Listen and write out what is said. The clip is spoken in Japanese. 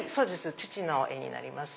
父の絵になります。